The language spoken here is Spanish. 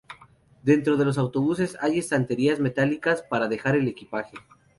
Dentro de los autobuses hay estanterías metálicas para dejar el equipaje.